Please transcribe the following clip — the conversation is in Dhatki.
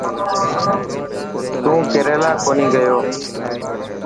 نون ڪيريلا ڪونهي گيو.